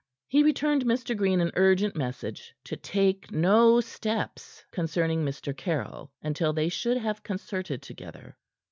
He returned Mr. Green an urgent message to take no steps concerning Mr. Caryll until they should have concerted together.